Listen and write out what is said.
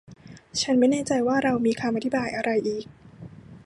ฉันไม่แน่ใจว่าเรามีคำอธิบายอะไรอีก